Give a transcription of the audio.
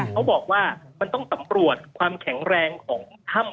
เขาบอกว่ามันต้องสำรวจความแข็งแรงของถ้ำ